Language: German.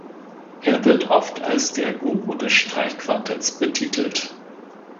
Er wird oft als der „Guru des Streichquartetts“ betitelt.